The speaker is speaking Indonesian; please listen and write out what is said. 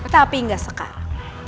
tapi enggak sekarang